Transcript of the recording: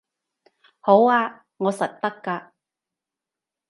好吖，我實得㗎